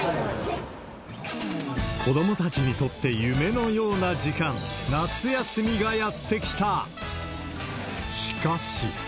子どもたちにとって夢のような時間、夏休みがやって来た。しかし。